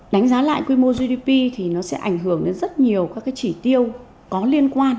đánh giá lại quy mô gdp thì nó sẽ ảnh hưởng đến rất nhiều các cái chỉ tiêu có liên quan